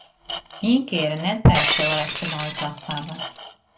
Ien kear en net wer sil er efternei tocht hawwe.